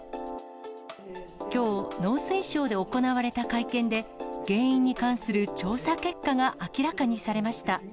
きょう、農水省で行われた会見で、原因に関する調査結果が明らかにされました。